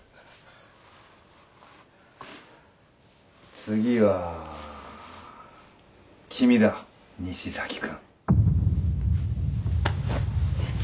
次は君だ西崎君。